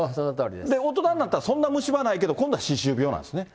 大人になったら、そんなに虫歯はないけれども、今度は歯周病なんですね。